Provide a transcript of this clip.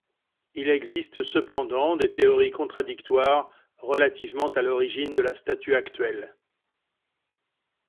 Il existe cependant des théories contradictoires relativement à l'origine de la statue actuelle.